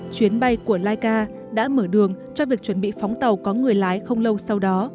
chuyến bay của laika đã mở đường cho việc chuẩn bị phóng tàu có người lái không lâu sau đó